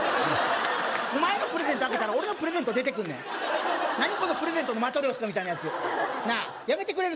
お前のプレゼント開けたら俺のプレゼント出てくんねん何このプレゼントのマトリョーシカみたいなヤツやめてくれる？